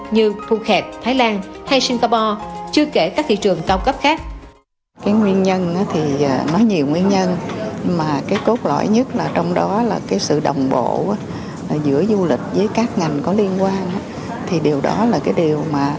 như phu khẹp thái lan hay singapore